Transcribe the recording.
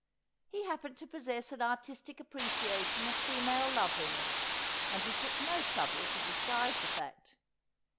He happened to possess an artistic appreciation of female love liness, and he took no trouble to disguise the fact.